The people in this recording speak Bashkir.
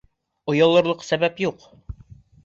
— Оялырлыҡ сәбәп юҡ.